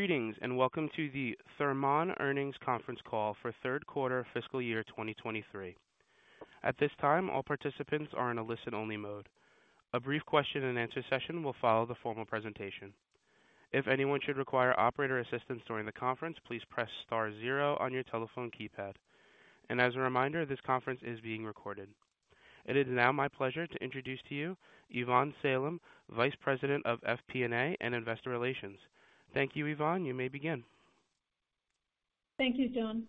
Greetings, welcome to the Thermon Earnings Conference Call for third quarter fiscal year 2023. At this time, all participants are in a listen-only mode. A brief question and answer session will follow the formal presentation. If anyone should require operator assistance during the conference, please press star zero on your telephone keypad. As a reminder, this conference is being recorded. It is now my pleasure to introduce to you Ivonne Salem, Vice President of FP&A and Investor Relations. Thank you, Ivonne. You may begin. Thank you, John.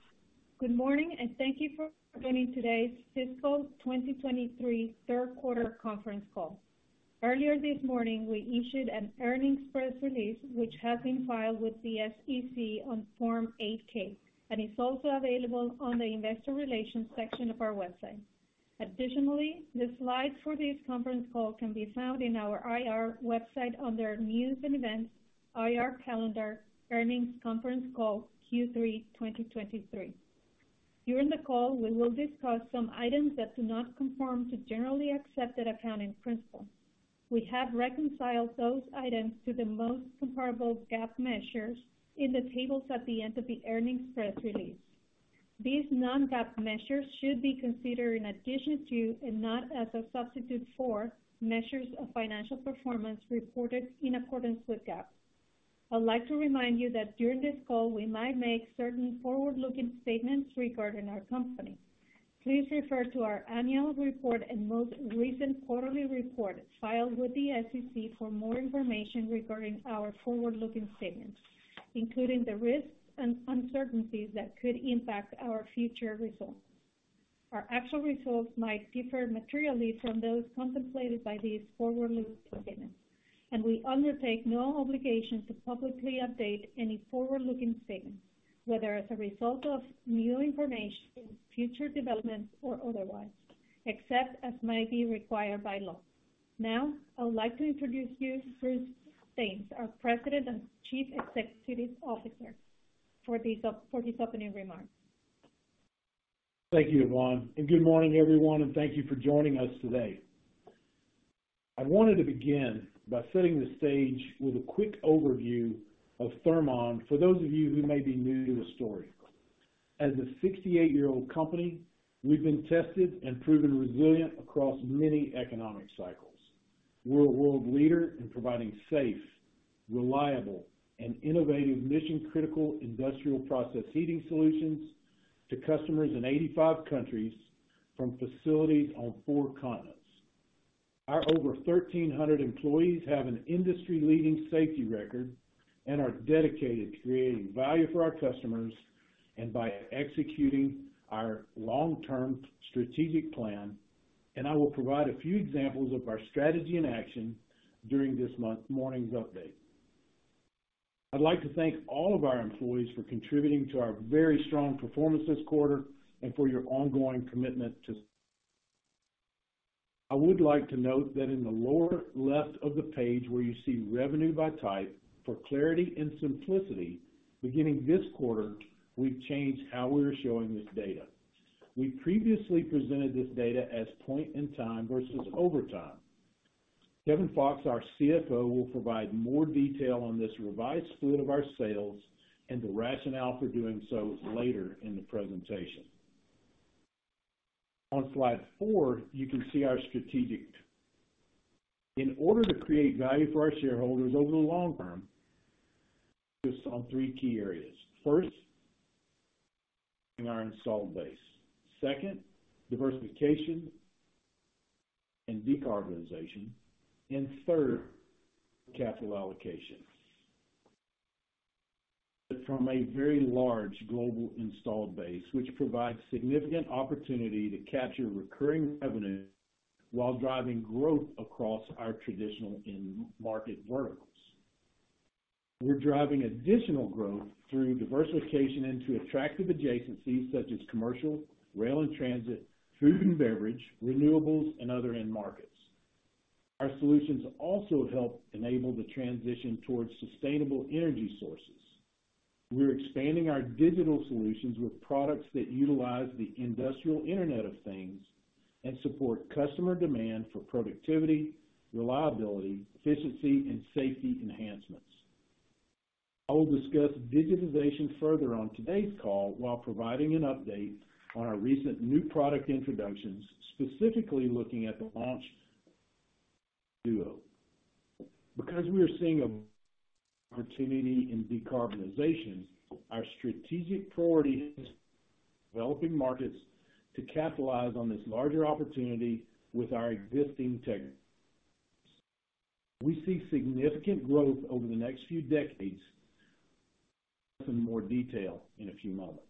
Good morning, and thank you for joining today's fiscal 2023 third quarter conference call. Earlier this morning, we issued an earnings press release, which has been filed with the SEC on Form 8-K and is also available on the investor relations section of our website. Additionally, the slides for this conference call can be found in our IR website under News and Events, IR Calendar, Earnings Conference Call Q3 2023. During the call, we will discuss some items that do not conform to Generally Accepted Accounting Principles. We have reconciled those items to the most comparable GAAP measures in the tables at the end of the earnings press release. These non-GAAP measures should be considered in addition to, and not as a substitute for, measures of financial performance reported in accordance with GAAP. I would like to remind you that during this call, we might make certain forward-looking statements regarding our company. Please refer to our annual report and most recent quarterly report filed with the SEC for more information regarding our forward-looking statements, including the risks and uncertainties that could impact our future results. We undertake no obligation to publicly update any forward-looking statements, whether as a result of new information, future developments or otherwise, except as might be required by law. Now, I would like to introduce you Bruce Thames, our President and Chief Executive Officer for these opening remarks. Thank you, Ivonne, good morning, everyone, and thank you for joining us today. I wanted to begin by setting the stage with a quick overview of Thermon for those of you who may be new to the story. As a 68-year-old company, we've been tested and proven resilient across many economic cycles. We're a world leader in providing safe, reliable, and innovative mission-critical industrial process heating solutions to customers in 85 countries from facilities on four continents. Our over 1,300 employees have an industry-leading safety record and are dedicated to creating value for our customers by executing our long-term strategic plan, I will provide a few examples of our strategy in action during this morning's update. I would like to thank all of our employees for contributing to our very strong performance this quarter and for your ongoing commitment to... I would like to note that in the lower left of the page where you see revenue by type for clarity and simplicity, beginning this quarter, we've changed how we are showing this data. We previously presented this data as point in time versus over time. Kevin Fox, our CFO, will provide more detail on this revised split of our sales and the rationale for doing so later in the presentation. On slide four, you can see our strategic. In order to create value for our shareholders over the long term based on three key areas. First, our installed base. Second, diversification and decarbonization. Third, capital allocation. From a very large global installed base, which provides significant opportunity to capture recurring revenue while driving growth across our traditional end market verticals. We're driving additional growth through diversification into attractive adjacencies such as commercial, rail and transit, food and beverage, renewables, and other end markets. Our solutions also help enable the transition towards sustainable energy sources. We're expanding our digital solutions with products that utilize the Industrial Internet of Things and support customer demand for productivity, reliability, efficiency, and safety enhancements. I will discuss digitization further on today's call while providing an update on our recent new product introductions, specifically looking at the Genesis Duo. Because we are seeing a opportunity in decarbonization, our strategic priority is developing markets to capitalize on this larger opportunity with our existing technologies. We see significant growth over the next few decades in more detail in a few moments.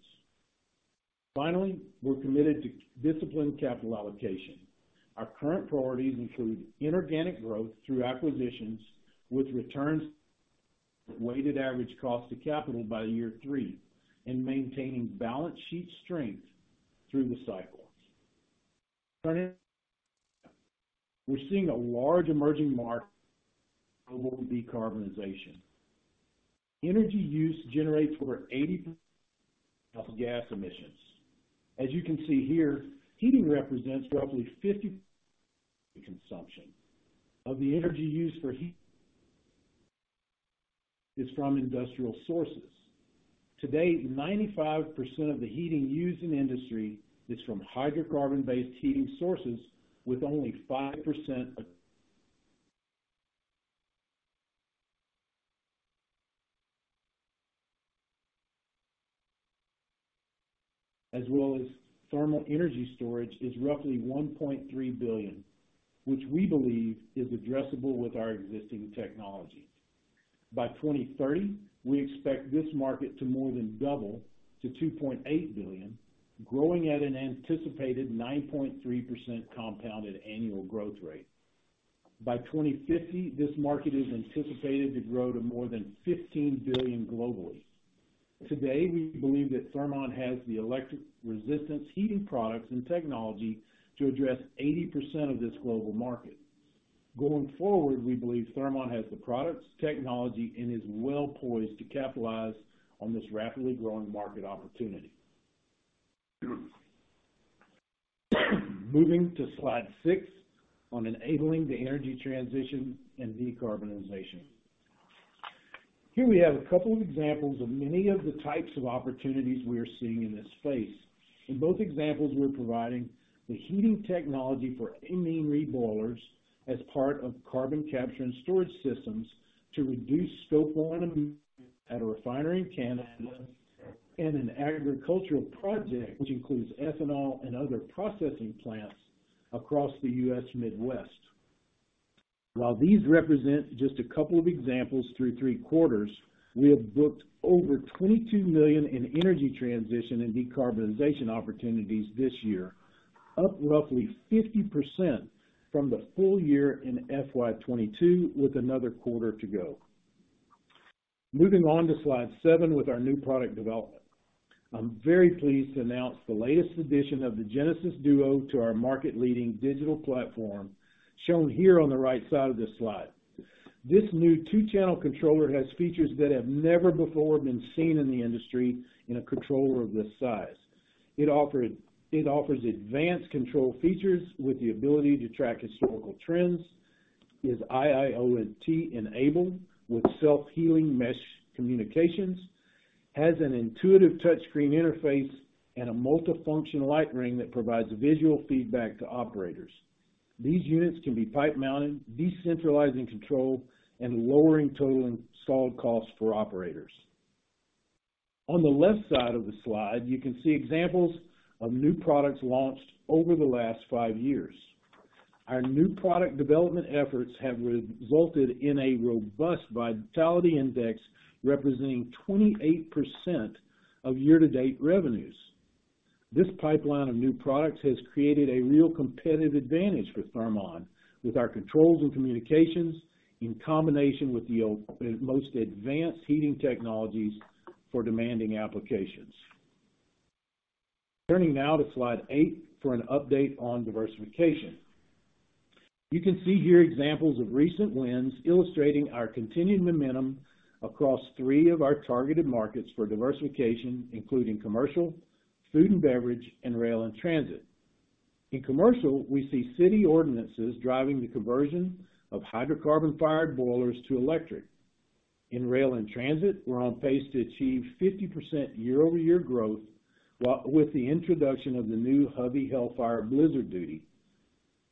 Finally, we're committed to disciplined capital allocation. Our current priorities include inorganic growth through acquisitions with returns weighted average cost of capital by year three and maintaining balance sheet strength through the cycle. We're seeing a large emerging market for decarbonization. Energy use generates over 80% of gas emissions. As you can see here, heating represents roughly 50%. The consumption of the energy used for heat is from industrial sources. Today, 95% of the heating used in industry is from hydrocarbon-based heating sources, with only 5%. As well as thermal energy storage is roughly $1.3 billion, which we believe is addressable with our existing technology. By 2030, we expect this market to more than double to $2.8 billion, growing at an anticipated 9.3% compounded annual growth rate. By 2050, this market is anticipated to grow to more than $15 billion globally. Today, we believe that Thermon has the electric resistance heating products and technology to address 80% of this global market. Going forward, we believe Thermon has the products, technology, and is well-poised to capitalize on this rapidly growing market opportunity. Moving to slide 6 on enabling the energy transition and decarbonization. Here we have a couple of examples of many of the types of opportunities we are seeing in this space. In both examples, we're providing the heating technology for amine reboilers as part of carbon capture and storage systems to reduce Scope 1 emissions at a refinery in Canada and an agricultural project which includes ethanol and other processing plants across the U.S. Midwest. While these represent just a couple of examples through three quarters, we have booked over $22 million in energy transition and decarbonization opportunities this year, up roughly 50% from the full year in FY 2022 with another quarter to go. Moving on to slide 7 with our new product development. I'm very pleased to announce the latest addition of the Genesis Duo to our market-leading digital platform shown here on the right side of this slide. This new 2-channel controller has features that have never before been seen in the industry in a controller of this size. It offers advanced control features with the ability to track historical trends, is IIoT-enabled with self-healing mesh communications, has an intuitive touchscreen interface and a multifunction light ring that provides visual feedback to operators. These units can be pipe-mounted, decentralizing control, and lowering total installed costs for operators. On the left side of the slide, you can see examples of new products launched over the last five years. Our new product development efforts have resulted in a robust Vitality Index representing 28% of year-to-date revenues. This pipeline of new products has created a real competitive advantage for Thermon with our controls and communications in combination with the most advanced heating technologies for demanding applications. Turning now to slide eight for an update on diversification. You can see here examples of recent wins illustrating our continued momentum across three of our targeted markets for diversification, including commercial, food and beverage, and rail and transit. In commercial, we see city ordinances driving the conversion of hydrocarbon-fired boilers to electric. In rail and transit, we're on pace to achieve 50% year-over-year growth with the introduction of the new Hubbell Hellfire Blizzard Duty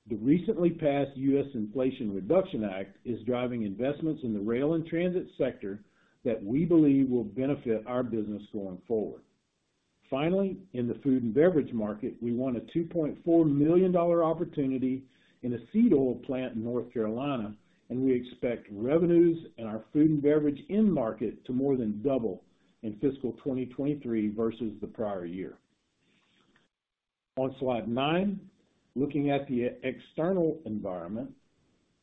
The recently passed US Inflation Reduction Act is driving investments in the rail and transit sector that we believe will benefit our business going forward. In the food and beverage market, we won a $2.4 million opportunity in a seed oil plant in North Carolina, and we expect revenues in our food and beverage end market to more than double in fiscal 2023 versus the prior year. On slide 9, looking at the external environment,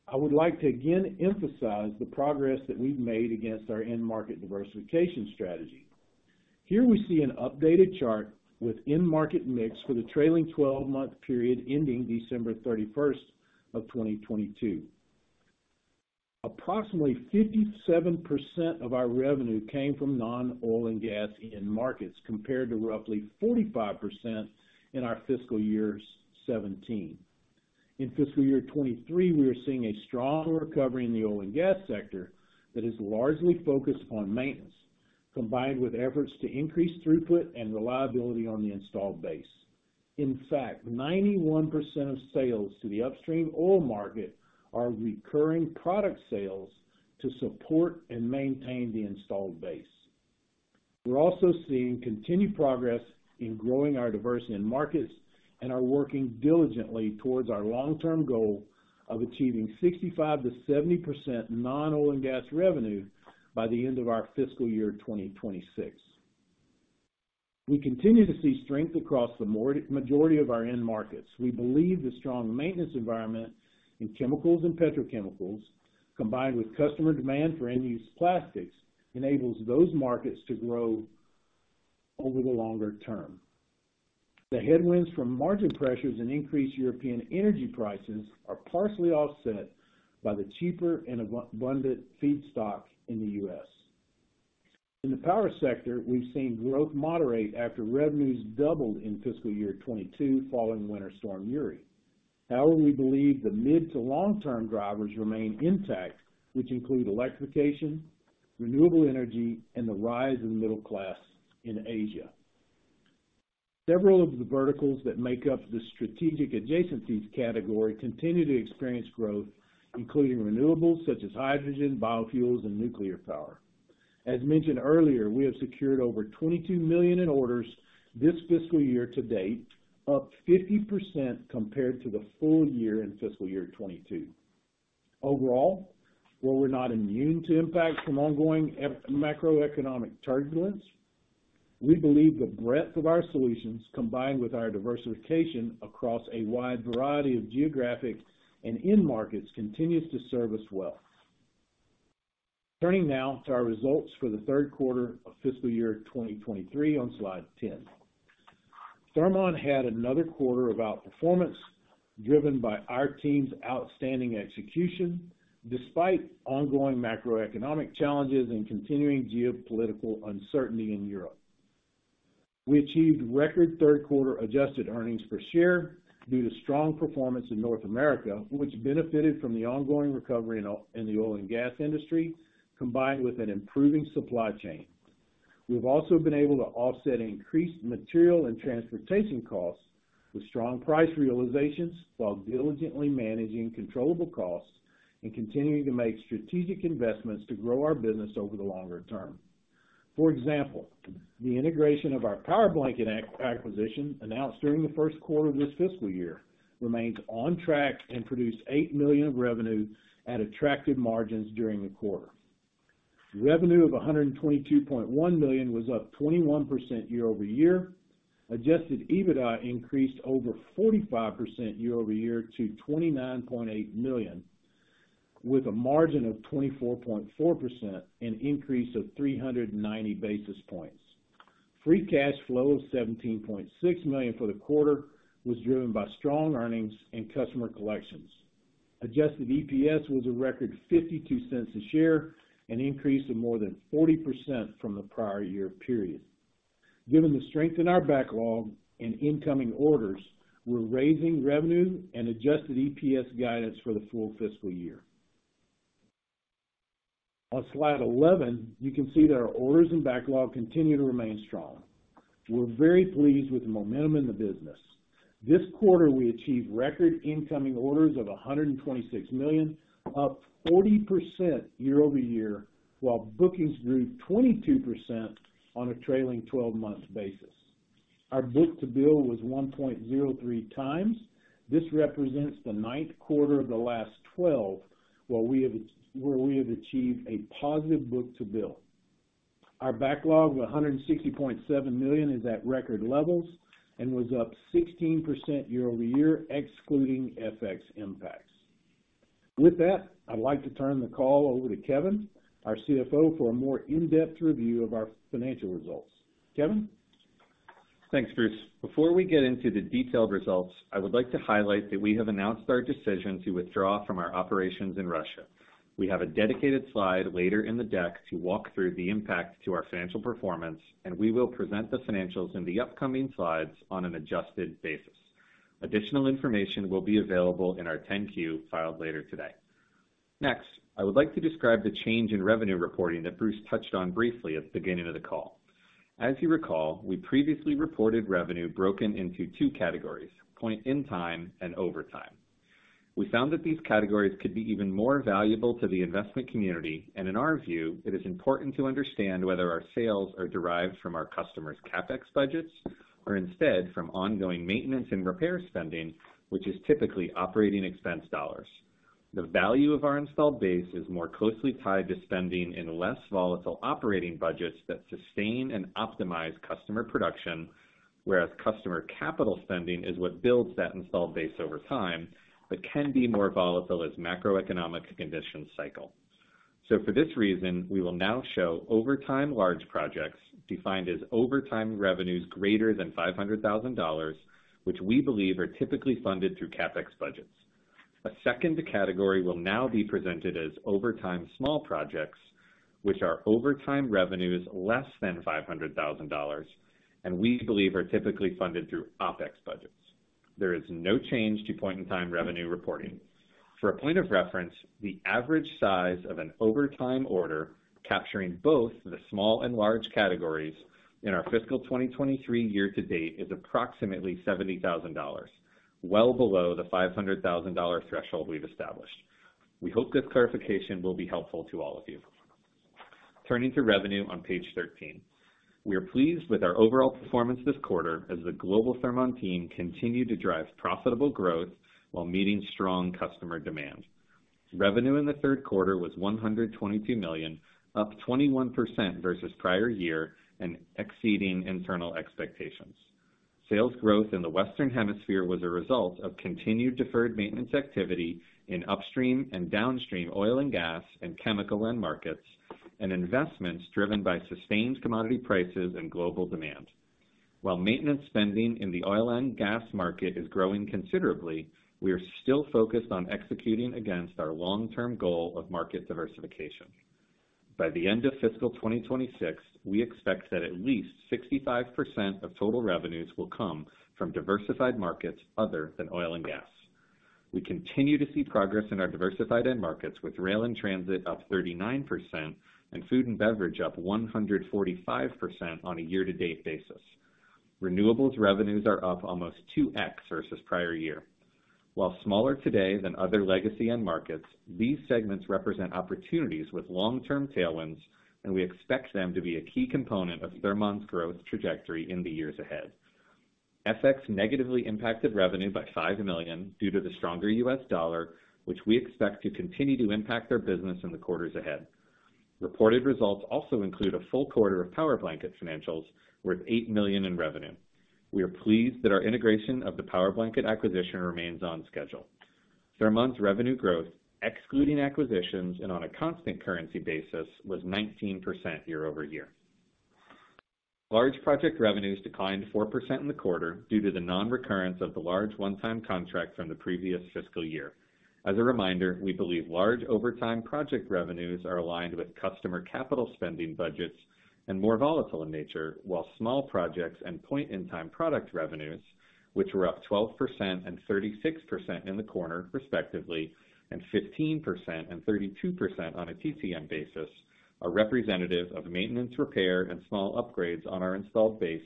I would like to again emphasize the progress that we've made against our end market diversification strategy. Here we see an updated chart with end market mix for the trailing 12-month period ending December 31, 2022. Approximately 57% of our revenue came from non-oil and gas end markets, compared to roughly 45% in our fiscal year 2017. In fiscal year 2023, we are seeing a strong recovery in the oil and gas sector that is largely focused on maintenance, combined with efforts to increase throughput and reliability on the installed base. In fact, 91% of sales to the upstream oil market are recurring product sales to support and maintain the installed base. We're also seeing continued progress in growing our diversity in markets and are working diligently towards our long-term goal of achieving 65%-70% non-oil and gas revenue by the end of our fiscal year 2026. We continue to see strength across the majority of our end markets. We believe the strong maintenance environment in chemicals and petrochemicals, combined with customer demand for end-use plastics, enables those markets to grow over the longer term. The headwinds from margin pressures and increased European energy prices are partially offset by the cheaper and abundant feedstock in the US. In the power sector, we've seen growth moderate after revenues doubled in fiscal year 22 following Winter Storm Uri. However, we believe the mid to long-term drivers remain intact, which include electrification, renewable energy, and the rise in middle class in Asia. Several of the verticals that make up the strategic adjacencies category continue to experience growth, including renewables such as hydrogen, biofuels, and nuclear power. As mentioned earlier, we have secured over $22 million in orders this fiscal year to date, up 50% compared to the full year in fiscal year 22. Overall, while we're not immune to impacts from ongoing macroeconomic turbulence, we believe the breadth of our solutions, combined with our diversification across a wide variety of geographic and end markets, continues to serve us well. Turning now to our results for the third quarter of fiscal year 2023 on slide 10. Thermon had another quarter of outperformance driven by our team's outstanding execution, despite ongoing macroeconomic challenges and continuing geopolitical uncertainty in Europe. We achieved record third quarter Adjusted earnings per share due to strong performance in North America, which benefited from the ongoing recovery in the oil and gas industry, combined with an improving supply chain. We've also been able to offset increased material and transportation costs with strong price realizations, while diligently managing controllable costs and continuing to make strategic investments to grow our business over the longer term. For example, the integration of our Powerblanket acquisition, announced during the first quarter of this fiscal year, remains on track and produced $8 million of revenue at attractive margins during the quarter. Revenue of $122.1 million was up 21% year-over-year. Adjusted EBITDA increased over 45% year-over-year to $29.8 million, with a margin of 24.4%, an increase of 390 basis points. Free cash flow of $17.6 million for the quarter was driven by strong earnings and customer collections. Adjusted EPS was a record $0.52 a share, an increase of more than 40% from the prior year period. Given the strength in our backlog and incoming orders, we're raising revenue and Adjusted EPS guidance for the full fiscal year. On slide 11, you can see that our orders and backlog continue to remain strong. We're very pleased with the momentum in the business. This quarter, we achieved record incoming orders of $126 million, up 40% year-over-year, while bookings grew 22% on a trailing twelve-month basis. Our book-to-bill was 1.03 times. This represents the 9th quarter of the last 12 where we have achieved a positive book-to-bill. Our backlog of $160.7 million is at record levels and was up 16% year-over-year, excluding FX impacts. With that, I'd like to turn the call over to Kevin, our CFO, for a more in-depth review of our financial results. Kevin? Thanks, Bruce. Before we get into the detailed results, I would like to highlight that we have announced our decision to withdraw from our operations in Russia. We have a dedicated slide later in the deck to walk through the impact to our financial performance. We will present the financials in the upcoming slides on an adjusted basis. Additional information will be available in our 10-Q filed later today. Next, I would like to describe the change in revenue reporting that Bruce touched on briefly at the beginning of the call. As you recall, we previously reported revenue broken into two categories: point in time and overtime. We found that these categories could be even more valuable to the investment community. In our view, it is important to understand whether our sales are derived from our customers' CapEx budgets or instead from ongoing maintenance and repair spending, which is typically operating expense dollars. The value of our installed base is more closely tied to spending in less volatile operating budgets that sustain and optimize customer production, whereas customer capital spending is what builds that installed base over time, but can be more volatile as macroeconomic conditions cycle. For this reason, we will now show overtime large projects defined as overtime revenues greater than $500,000, which we believe are typically funded through CapEx budgets. A second category will now be presented as overtime small projects, which are overtime revenues less than $500,000, and we believe are typically funded through OpEx budgets. There is no change to point-in-time revenue reporting. For a point of reference, the average size of an overtime order capturing both the small and large categories in our fiscal 2023 year to date is approximately $70,000, well below the $500,000 threshold we've established. We hope this clarification will be helpful to all of you. Turning to revenue on page 13. We are pleased with our overall performance this quarter as the global Thermon team continued to drive profitable growth while meeting strong customer demand. Revenue in the third quarter was $122 million, up 21% versus prior year and exceeding internal expectations. Sales growth in the Western Hemisphere was a result of continued deferred maintenance activity in upstream and downstream oil and gas and chemical end markets, and investments driven by sustained commodity prices and global demand. While maintenance spending in the oil and gas market is growing considerably, we are still focused on executing against our long-term goal of market diversification. By the end of fiscal 2026, we expect that at least 65% of total revenues will come from diversified markets other than oil and gas. We continue to see progress in our diversified end markets, with rail and transit up 39% and food and beverage up 145% on a year-to-date basis. Renewables revenues are up almost 2x versus prior year. While smaller today than other legacy end markets, these segments represent opportunities with long-term tailwinds, and we expect them to be a key component of Thermon's growth trajectory in the years ahead. FX negatively impacted revenue by $5 million due to the stronger US dollar, which we expect to continue to impact our business in the quarters ahead. Reported results also include a full quarter of Powerblanket financials worth $8 million in revenue. We are pleased that our integration of the Powerblanket acquisition remains on schedule. Thermon's revenue growth, excluding acquisitions and on a constant currency basis, was 19% year-over-year. Large project revenues declined 4% in the quarter due to the non-recurrence of the large one-time contract from the previous fiscal year. As a reminder, we believe large overtime project revenues are aligned with customer capital spending budgets and more volatile in nature, while small projects and point-in-time product revenues, which were up 12% and 36% in the quarter respectively, and 15% and 32% on a TTM basis, are representative of maintenance, repair, and small upgrades on our installed base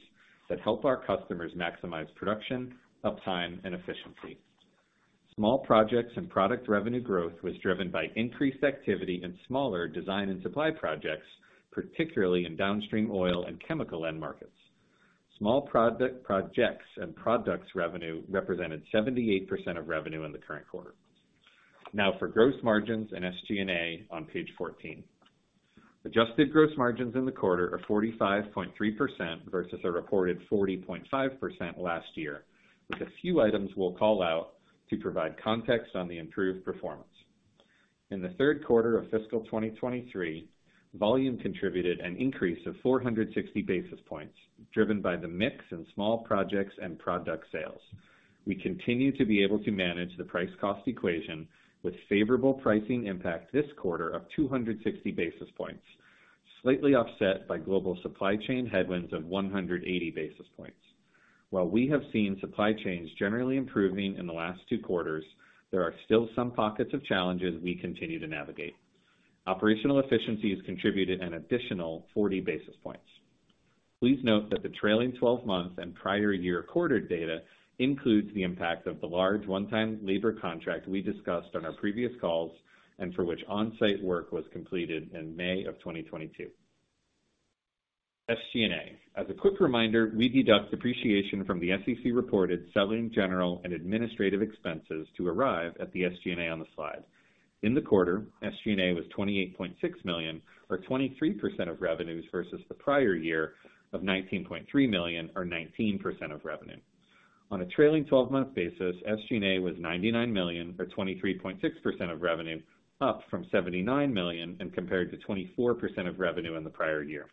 that help our customers maximize production, uptime, and efficiency. Small projects and product revenue growth was driven by increased activity in smaller design and supply projects, particularly in downstream oil and chemical end markets. Small product projects and products revenue represented 78% of revenue in the current quarter. For gross margins and SG&A on page 14. Adjusted gross margins in the quarter are 45.3% versus a reported 40.5% last year, with a few items we'll call out to provide context on the improved performance. In the third quarter of fiscal 2023, volume contributed an increase of 460 basis points, driven by the mix in small projects and product sales. We continue to be able to manage the price cost equation with favorable pricing impact this quarter of 260 basis points, slightly offset by global supply chain headwinds of 180 basis points. While we have seen supply chains generally improving in the last two quarters, there are still some pockets of challenges we continue to navigate. Operational efficiencies contributed an additional 40 basis points. Please note that the trailing twelve-month and prior year quarter data includes the impact of the large one-time labor contract we discussed on our previous calls and for which onsite work was completed in May of 2022. SG&A. As a quick reminder, we deduct depreciation from the SEC-reported selling, general, and administrative expenses to arrive at the SG&A on the slide. In the quarter, SG&A was $28.6 million, or 23% of revenues versus the prior year of $19.3 million, or 19% of revenue. On a trailing twelve-month basis, SG&A was $99 million, or 23.6% of revenue, up from $79 million and compared to 24% of revenue in the prior year.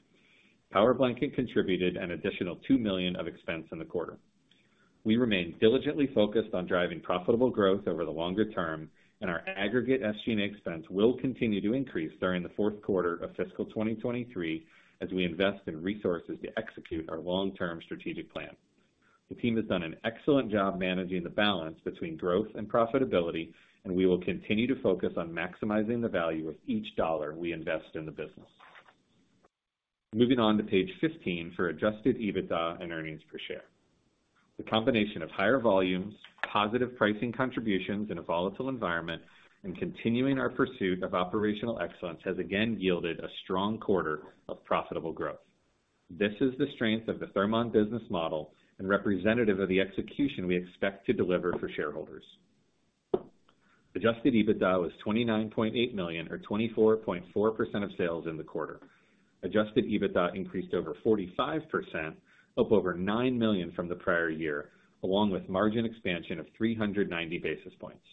Powerblanket contributed an additional $2 million of expense in the quarter. We remain diligently focused on driving profitable growth over the longer term, our aggregate SG&A expense will continue to increase during the fourth quarter of fiscal 2023 as we invest in resources to execute our long-term strategic plan. The team has done an excellent job managing the balance between growth and profitability, we will continue to focus on maximizing the value of each dollar we invest in the business. Moving on to page 15 for Adjusted EBITDA and earnings per share. The combination of higher volumes, positive pricing contributions in a volatile environment, and continuing our pursuit of operational excellence has again yielded a strong quarter of profitable growth. This is the strength of the Thermon business model and representative of the execution we expect to deliver for shareholders. Adjusted EBITDA was $29.8 million or 24.4% of sales in the quarter. Adjusted EBITDA increased over 45%, up over $9 million from the prior year, along with margin expansion of 390 basis points.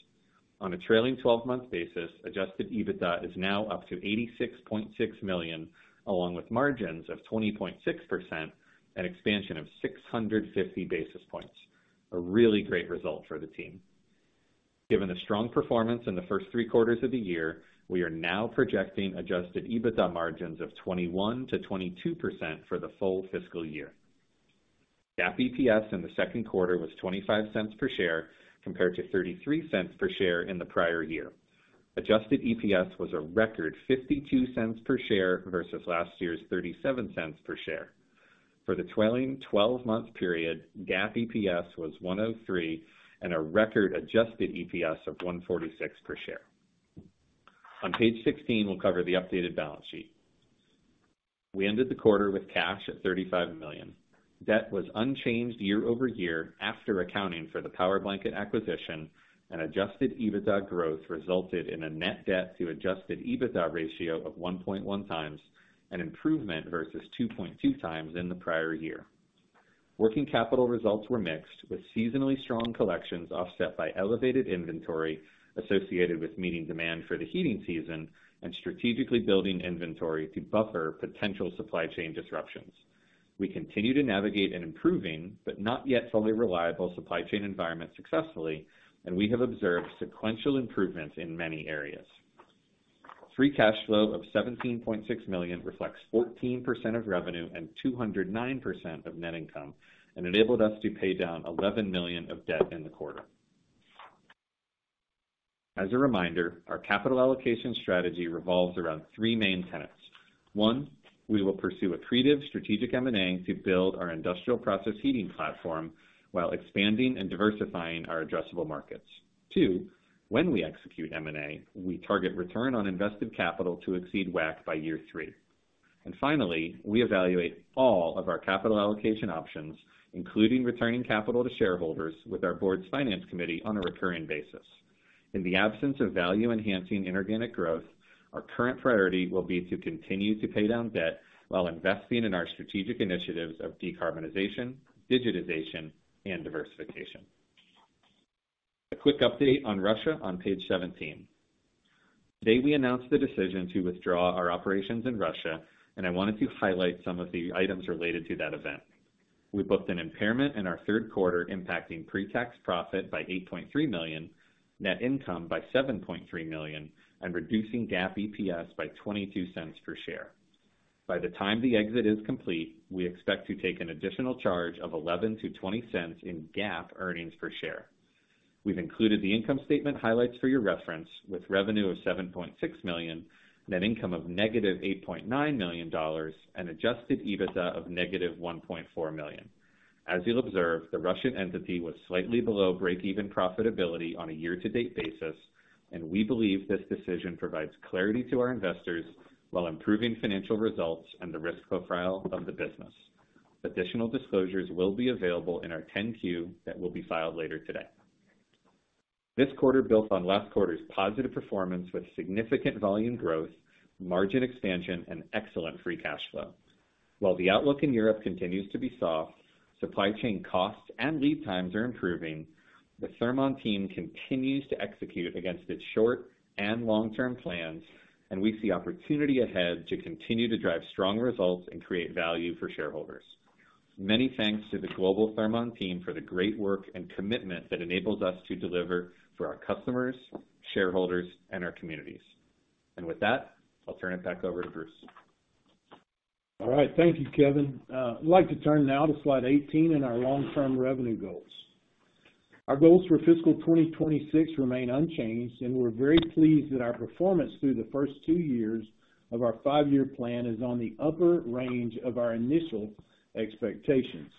On a trailing twelve-month basis, Adjusted EBITDA is now up to $86.6 million, along with margins of 20.6%, an expansion of 650 basis points. A really great result for the team. Given the strong performance in the first three quarters of the year, we are now projecting Adjusted EBITDA margins of 21%-22% for the full fiscal year. GAAP EPS in the second quarter was $0.25 per share compared to $0.33 per share in the prior year. Adjusted EPS was a record $0.52 per share versus last year's $0.37 per share. For the trailing twelve-month period, GAAP EPS was $1.03 and a record Adjusted EPS of $1.46 per share. On page 16, we'll cover the updated balance sheet. We ended the quarter with cash at $35 million. Debt was unchanged year-over-year after accounting for the Powerblanket acquisition. Adjusted EBITDA growth resulted in a net debt to Adjusted EBITDA ratio of 1.1 times, an improvement versus 2.2 times in the prior year. Working capital results were mixed, with seasonally strong collections offset by elevated inventory associated with meeting demand for the heating season and strategically building inventory to buffer potential supply chain disruptions. We continue to navigate an improving but not yet fully reliable supply chain environment successfully. We have observed sequential improvements in many areas. Free cash flow of $17.6 million reflects 14% of revenue and 209% of net income, and enabled us to pay down $11 million of debt in the quarter. As a reminder, our capital allocation strategy revolves around 3 main tenets. One, we will pursue accretive strategic M&A to build our industrial process heating platform while expanding and diversifying our addressable markets. Two, when we execute M&A, we target return on invested capital to exceed WACC by year 3. Finally, we evaluate all of our capital allocation options, including returning capital to shareholders with our board's finance committee on a recurring basis. In the absence of value-enhancing inorganic growth, our current priority will be to continue to pay down debt while investing in our strategic initiatives of decarbonization, digitization, and diversification. A quick update on Russia on page 17. Today, we announced the decision to withdraw our operations in Russia. I wanted to highlight some of the items related to that event. We booked an impairment in our Q3, impacting pre-tax profit by $8.3 million, net income by $7.3 million, and reducing GAAP EPS by $0.22 per share. By the time the exit is complete, we expect to take an additional charge of $0.11-$0.20 in GAAP earnings per share. We've included the income statement highlights for your reference with revenue of $7.6 million, net income of negative $8.9 million, and Adjusted EBITDA of negative $1.4 million. As you'll observe, the Russian entity was slightly below break-even profitability on a year-to-date basis. We believe this decision provides clarity to our investors while improving financial results and the risk profile of the business. Additional disclosures will be available in our 10-Q that will be filed later today. This quarter built on last quarter's positive performance with significant volume growth, margin expansion, and excellent free cash flow. While the outlook in Europe continues to be soft, supply chain costs and lead times are improving. The Thermon team continues to execute against its short- and long-term plans, and we see opportunity ahead to continue to drive strong results and create value for shareholders. Many thanks to the global Thermon team for the great work and commitment that enables us to deliver for our customers, shareholders, and our communities. With that, I'll turn it back over to Bruce. All right. Thank you, Kevin. I'd like to turn now to slide 18 and our long-term revenue goals. Our goals for fiscal 2026 remain unchanged, and we're very pleased that our performance through the first 2 years of our 5-year plan is on the upper range of our initial expectations.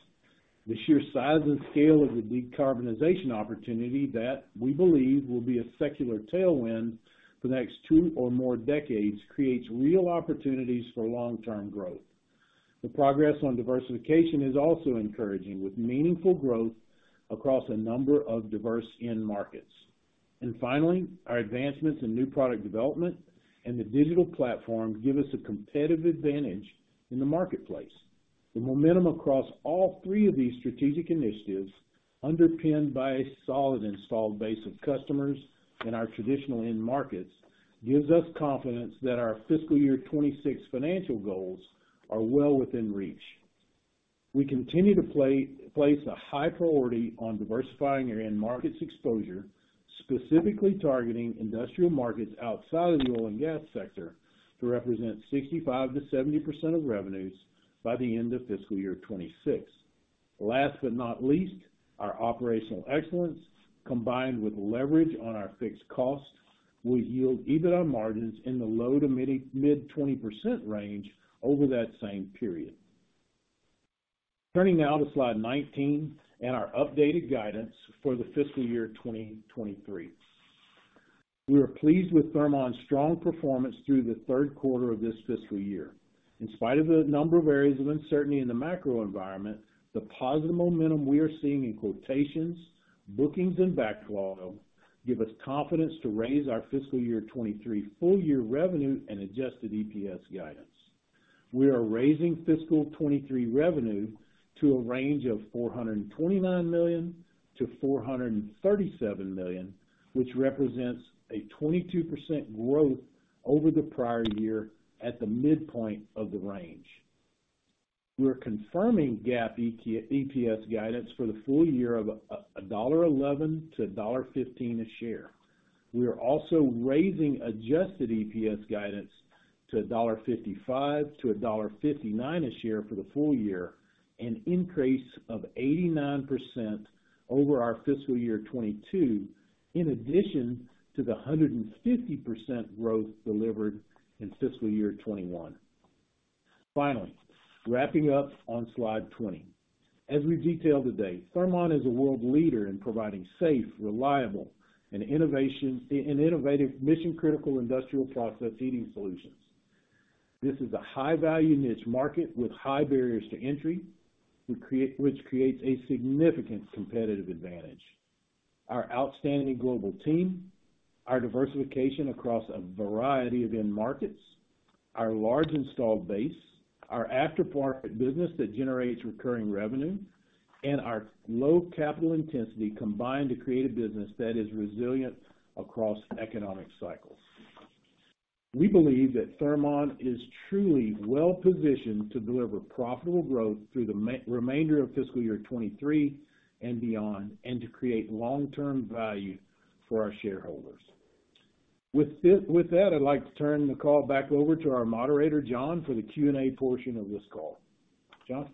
The sheer size and scale of the decarbonization opportunity that we believe will be a secular tailwind for the next 2 or more decades creates real opportunities for long-term growth. The progress on diversification is also encouraging, with meaningful growth across a number of diverse end markets. Finally, our advancements in new product development and the digital platform give us a competitive advantage in the marketplace. The momentum across all three of these strategic initiatives, underpinned by a solid installed base of customers in our traditional end markets, gives us confidence that our fiscal year 26 financial goals are well within reach. We continue to place a high priority on diversifying our end markets exposure, specifically targeting industrial markets outside of the oil and gas sector to represent 65%-70% of revenues by the end of fiscal year 26. Last but not least, our operational excellence, combined with leverage on our fixed costs, will yield EBITDA margins in the low to mid 20% range over that same period. Turning now to slide 19 and our updated guidance for the fiscal year 2023. We are pleased with Thermon's strong performance through the third quarter of this fiscal year. In spite of the number of areas of uncertainty in the macro environment, the positive momentum we are seeing in quotations, bookings, and backlog give us confidence to raise our fiscal year 23 full year revenue and Adjusted EPS guidance. We are raising fiscal 23 revenue to a range of $429 million-$437 million, which represents a 22% growth over the prior year at the midpoint of the range. We are confirming GAAP EPS guidance for the full year of $1.11-$1.15 a share. We are also raising Adjusted EPS guidance to $1.55-$1.59 a share for the full year, an increase of 89% over our fiscal year 22, in addition to the 150% growth delivered in fiscal year 21. Wrapping up on slide 20. As we've detailed today, Thermon is a world leader in providing safe, reliable, and innovative mission-critical industrial process heating solutions. This is a high-value niche market with high barriers to entry, which creates a significant competitive advantage. Our outstanding global team, our diversification across a variety of end markets, our large installed base, our after-market business that generates recurring revenue, and our low capital intensity combine to create a business that is resilient across economic cycles. We believe that Thermon is truly well-positioned to deliver profitable growth through the remainder of fiscal year 2023 and beyond, and to create long-term value for our shareholders. With that, I'd like to turn the call back over to our moderator, John, for the Q&A portion of this call. John?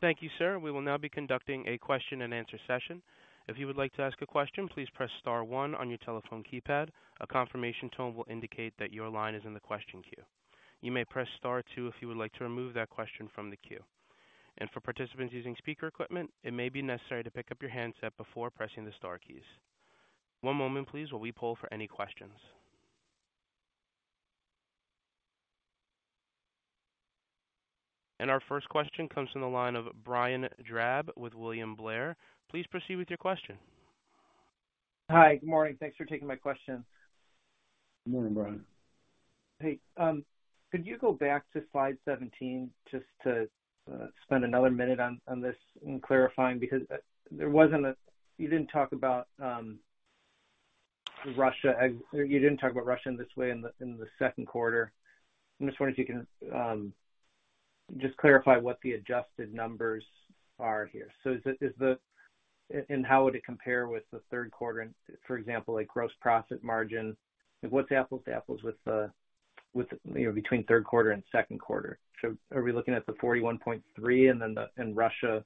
Thank you, sir. We will now be conducting a question-and-answer session. If you would like to ask a question, please press star one on your telephone keypad. A confirmation tone will indicate that your line is in the question queue. You may press star two if you would like to remove that question from the queue. For participants using speaker equipment, it may be necessary to pick up your handset before pressing the star keys. One moment please, while we poll for any questions. Our first question comes from the line of Brian Drab with William Blair. Please proceed with your question. Hi. Good morning. Thanks for taking my question. Good morning, Brian. Hey, could you go back to slide 17 just to spend another minute on this and clarifying? There wasn't You didn't talk about Russia or you didn't talk about Russia in this way in the, in the second quarter. I'm just wondering if you can just clarify what the Adjusted numbers are here. How would it compare with the third quarter, for example, like gross profit margin? Like what's apples to apples with, you know, between Q3 and Q2? Are we looking at the 41.3, and then Russia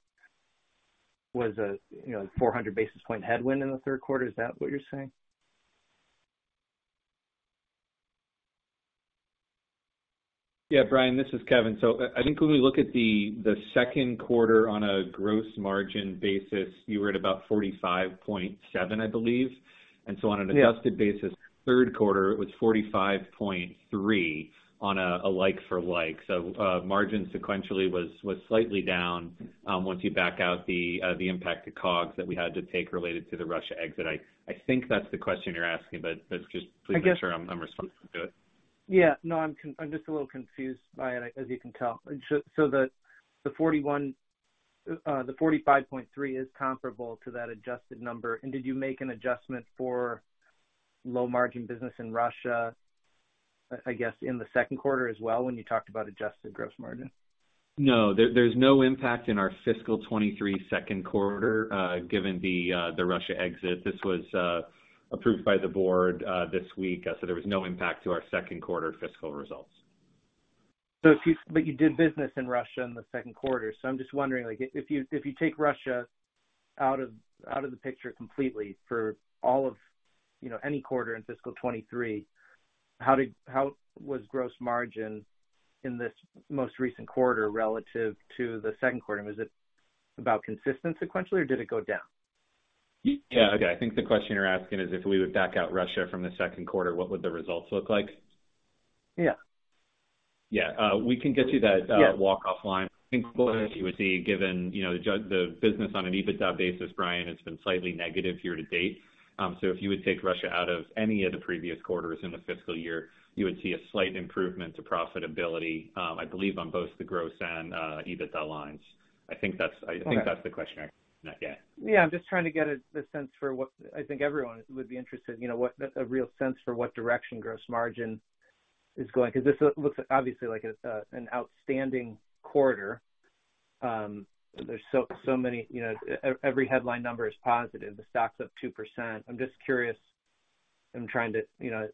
was a, you know, 400 basis points headwind in the Q3, is that what you're saying? Yeah. Brian, this is Kevin. I think when we look at the Q2 on a gross margin basis, you were at about 45.7%, I believe. Yeah. On an adjusted basis, Q3, it was 45.3% on a like for like. Margin sequentially was slightly down once you back out the impact to COGS that we had to take related to the Russia exit. I think that's the question you're asking, but just please make sure... I guess- I'm responding to it. No, I'm just a little confused by it, as you can tell. The 45.3 is comparable to that adjusted number. Did you make an adjustment for low margin business in Russia, I guess, in the Q2 as well, when you talked about adjusted gross margin? No. There's no impact in our fiscal 2023 Q2, given the Russia exit. This was approved by the board this week. There was no impact to our Q2 fiscal results. You did business in Russia in the second quarter, so I'm just wondering, like if you take Russia out of the picture completely for all of, you know, any quarter in fiscal 2023, how was gross margin in this most recent quarter relative to the Q2? Was it about consistent sequentially, or did it go down? Yeah. Okay. I think the question you're asking is, if we would back out Russia from the Q2, what would the results look like? Yeah. Yeah. We can get you. Yeah. walk-off line. I think what you would see, given, you know, the business on an EBITDA basis, Brian, has been slightly negative year to date. If you would take Russia out of any of the previous quarters in the fiscal year, you would see a slight improvement to profitability, I believe on both the gross and EBITDA lines. I think that's. Okay. I think that's the question I'm... Yeah. Yeah. I'm just trying to get a sense for what I think everyone would be interested, you know, a real sense for what direction gross margin is going. 'Cause this looks obviously like it's an outstanding quarter. There's so many, you know, every headline number is positive. The stock's up 2%. I'm just curious. I'm trying to, you know,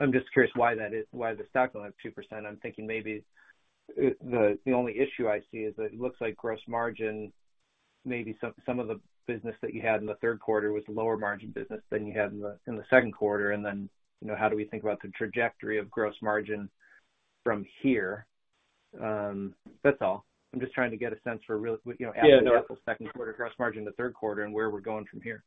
I'm just curious why that is, why the stock went up 2%. I'm thinking maybe the only issue I see is that it looks like gross margin, maybe some of the business that you had in the Q3 was lower margin business than you had in the Q3. You know, how do we think about the trajectory of gross margin from here? That's all. I'm just trying to get a sense for really, you know. Yeah, no. Apple to apple Q2 gross margin to the Q3 and where we're going from here.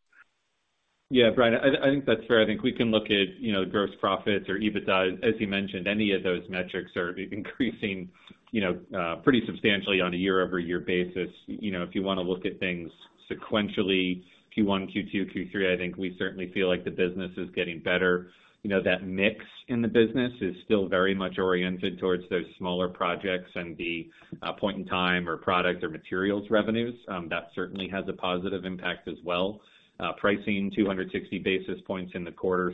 Yeah. Brian, I think that's fair. I think we can look at, you know, gross profits or EBITDA, as you mentioned. Any of those metrics are increasing, you know, pretty substantially on a year-over-year basis. You know, if you wanna look at things sequentially, Q1, Q2, Q3, I think we certainly feel like the business is getting better. You know, that mix in the business is still very much oriented towards those smaller projects and the point in time or product or materials revenues. That certainly has a positive impact as well. Pricing 260 basis points in the quarter.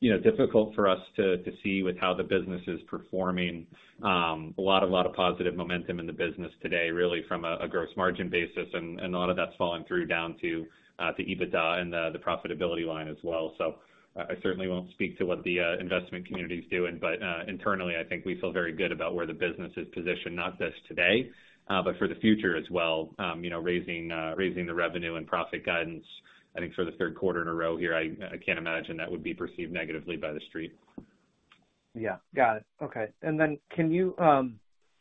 You know, difficult for us to see with how the business is performing. A lot of positive momentum in the business today, really from a gross margin basis. A lot of that's falling through down to EBITDA and the profitability line as well. I certainly won't speak to what the investment community is doing. Internally, I think we feel very good about where the business is positioned, not just today, but for the future as well. You know, raising the revenue and profit guidance, I think for the third quarter in a row here, I can't imagine that would be perceived negatively by The Street. Yeah. Got it. Okay. Can you, I don't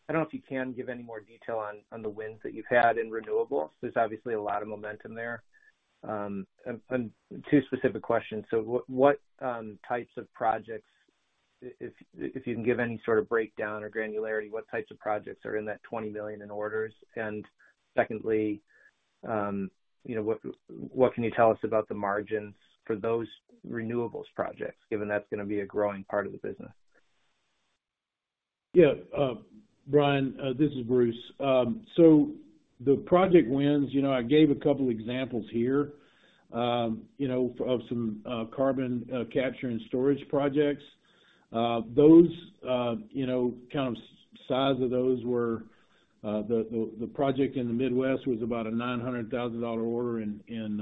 know if you can give any more detail on the wins that you've had in renewables. There's obviously a lot of momentum there. Two specific questions. What types of projects, if you can give any sort of breakdown or granularity, what types of projects are in that $20 million in orders? Secondly, you know, what can you tell us about the margins for those renewables projects, given that's gonna be a growing part of the business? Yeah. Brian, this is Bruce. The project wins, you know, I gave a couple examples here, you know, of some carbon capture and storage projects. Those, kind of size of those were, the project in the Midwest was about a $900,000 order in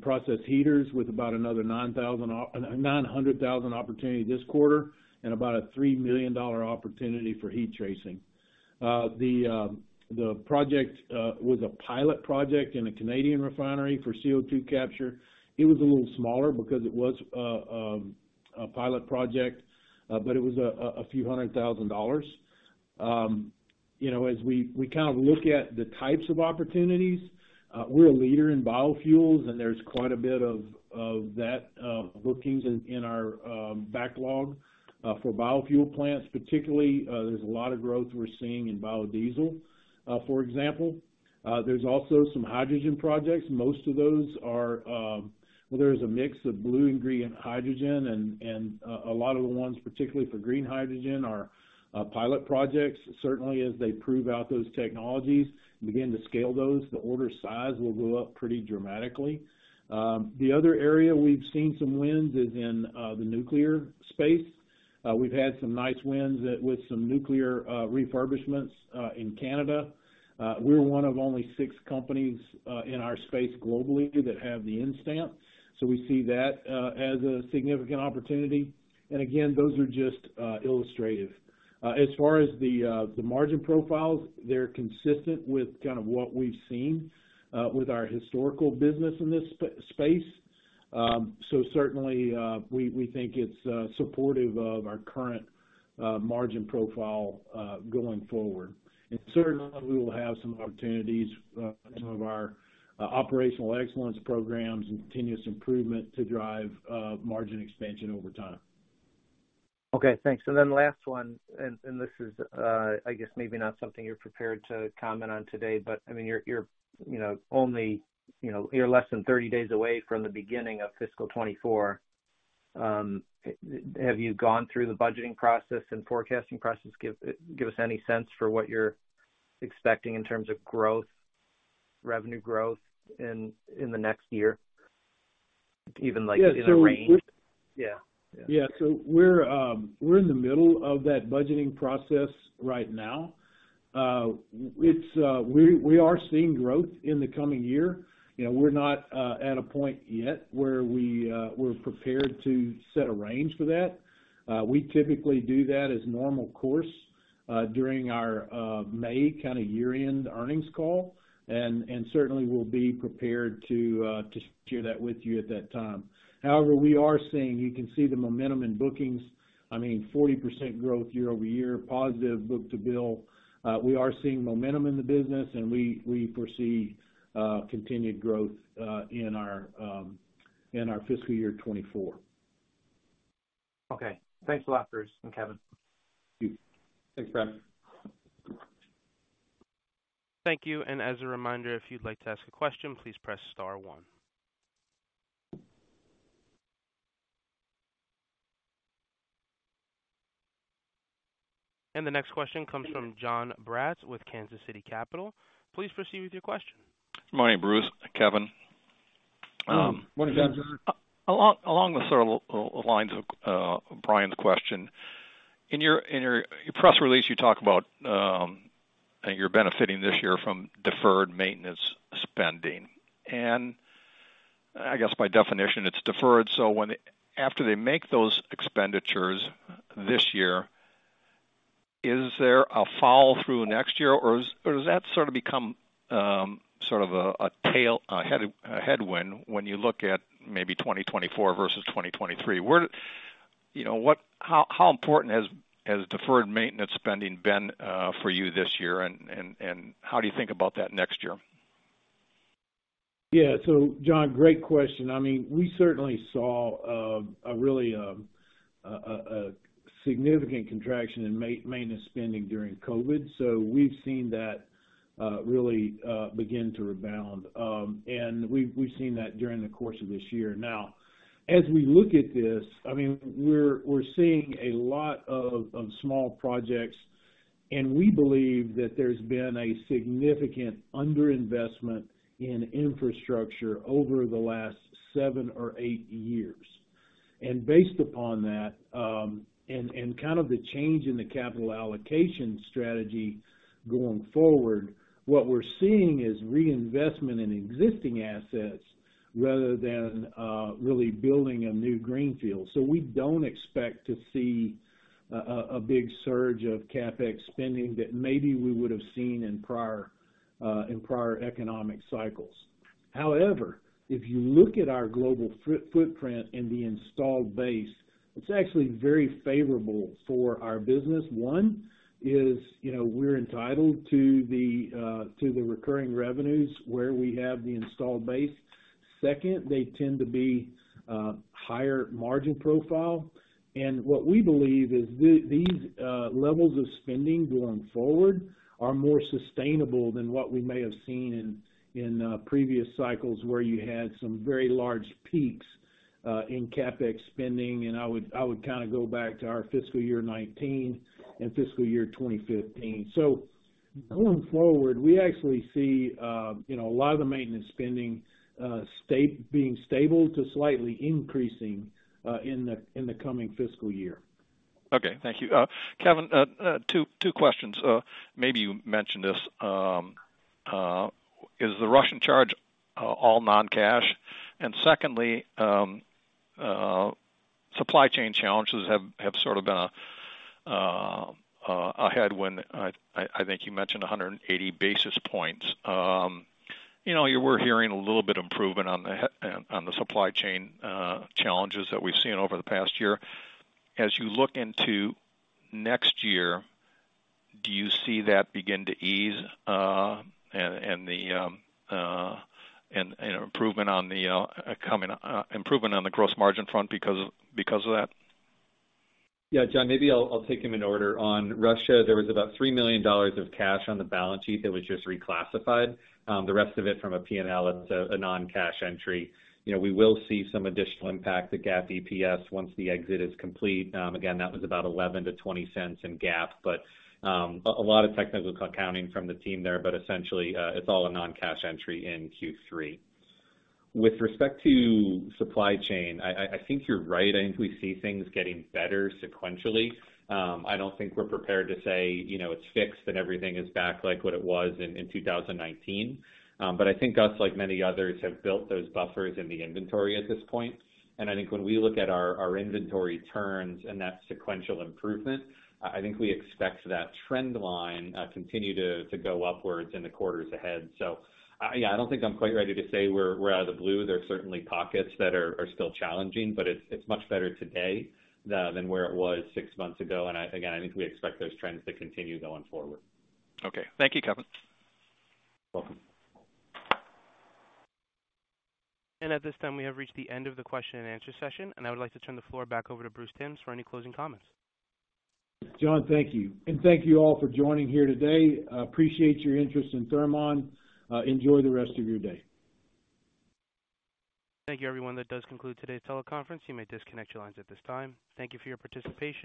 process heaters with about another $900,000 opportunity this quarter, and about a $3 million opportunity for heat tracing. The project was a pilot project in a Canadian refinery for CO2 capture. It was a little smaller because it was a pilot project, it was a few hundred thousand dollars. You know, as we kind of look at the types of opportunities, we're a leader in biofuels, and there's quite a bit of that, bookings in our backlog for biofuel plants particularly, there's a lot of growth we're seeing in biodiesel, for example. There's also some hydrogen projects. Most of those are, well, there's a mix of blue and green hydrogen and a lot of the ones, particularly for green hydrogen, are pilot projects. Certainly as they prove out those technologies and begin to scale those, the order size will go up pretty dramatically. The other area we've seen some wins is in the nuclear space. We've had some nice wins with some nuclear refurbishments in Canada. We're one of only 6 companies in our space globally that have the N-stamp, so we see that as a significant opportunity. Again, those are just illustrative. As far as the margin profiles, they're consistent with kind of what we've seen with our historical business in this space. Certainly, we think it's supportive of our current margin profile going forward. Certainly we will have some opportunities in some of our operational excellence programs and continuous improvement to drive margin expansion over time. Okay. Thanks. Last one. This is, I guess maybe not something you're prepared to comment on today, but, I mean, you're, you know, only, you know, you're less than 30 days away from the beginning of fiscal 2024. Have you gone through the budgeting process and forecasting process? Give us any sense for what you're expecting in terms of growth, revenue growth in the next year, even like in a range? Yeah. Yeah. We're in the middle of that budgeting process right now. We are seeing growth in the coming year. You know, we're not at a point yet where we're prepared to set a range for that. We typically do that as normal course during our May kinda year-end earnings call, and certainly we'll be prepared to share that with you at that time. However, we are seeing. You can see the momentum in bookings. I mean 40% growth year-over-year, positive book-to-bill. We are seeing momentum in the business, and we foresee continued growth in our fiscal year 2024. Okay. Thanks a lot, Bruce and Kevin. Thank you. Thanks, Brian. Thank you. As a reminder, if you'd like to ask a question, please press star 1. The next question comes from Jon Braatz with Kansas City Capital. Please proceed with your question. Morning, Bruce, Kevin. Morning, John. Along the sort of lines of Brian's question. In your, in your press release, you talk about that you're benefiting this year from deferred maintenance spending. I guess by definition, it's deferred, so after they make those expenditures this year, is there a fall through next year, or is, or does that sort of become sort of a headwind when you look at maybe 2024 versus 2023? Where, you know, how important has deferred maintenance spending been for you this year, and how do you think about that next year? John, great question. I mean, we certainly saw a really significant contraction in maintenance spending during COVID. We've seen that really begin to rebound. We've seen that during the course of this year. Now, as we look at this, I mean, we're seeing a lot of small projects, and we believe that there's been a significant under-investment in infrastructure over the last seven or eight years. Based upon that, and kind of the change in the capital allocation strategy going forward, what we're seeing is reinvestment in existing assets rather than really building a new greenfield. We don't expect to see a big surge of CapEx spending that maybe we would have seen in prior economic cycles. However, if you look at our global footprint and the installed base, it's actually very favorable for our business. One is, you know, we're entitled to the to the recurring revenues where we have the installed base. Second, they tend to be higher margin profile. What we believe is these levels of spending going forward are more sustainable than what we may have seen in previous cycles, where you had some very large peaks in CapEx spending. I would kind of go back to our fiscal year 2019 and fiscal year 2015. Going forward, we actually see, you know, a lot of the maintenance spending being stable to slightly increasing in the coming fiscal year. Okay. Thank you. Kevin, two questions. Maybe you mentioned this. Is the Russian charge all non-cash? Secondly, supply chain challenges have sort of been a headwind. I think you mentioned 180 basis points. You know, we're hearing a little bit improvement on the supply chain challenges that we've seen over the past year. As you look into next year, do you see that begin to ease, and the, and improvement on the coming improvement on the gross margin front because of that? Yeah. John, maybe I'll take them in order. On Russia, there was about $3 million of cash on the balance sheet that was just reclassified. The rest of it from a P&L, it's a non-cash entry. You know, we will see some additional impact to GAAP EPS once the exit is complete. Again, that was about $0.11-$0.20 in GAAP, but a lot of technical accounting from the team there. Essentially, it's all a non-cash entry in Q3. With respect to supply chain, I think you're right. I think we see things getting better sequentially. I don't think we're prepared to say, you know, it's fixed and everything is back like what it was in 2019. But I think us, like many others, have built those buffers in the inventory at this point. I think when we look at our inventory turns and that sequential improvement, I think we expect that trend line continue to go upwards in the quarters ahead. Yeah, I don't think I'm quite ready to say we're out of the blue. There are certainly pockets that are still challenging, but it's much better today than where it was six months ago. Again, I think we expect those trends to continue going forward. Okay. Thank you, Kevin. Welcome. At this time, we have reached the end of the question and answer session, and I would like to turn the floor back over to Bruce Thames for any closing comments. John, thank you. Thank you all for joining here today. Appreciate your interest in Thermon. Enjoy the rest of your day. Thank you, everyone. That does conclude today's teleconference. You may disconnect your lines at this time. Thank you for your participation.